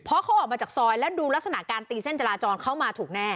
เพราะเขาออกมาจากซอยแล้วดูลักษณะการตีเส้นจราจรเข้ามาถูกแน่